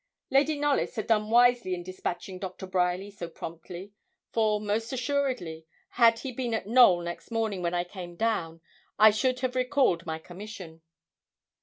Lady Knollys had done wisely in despatching Doctor Bryerly so promptly; for, most assuredly, had he been at Knowl next morning when I came down I should have recalled my commission.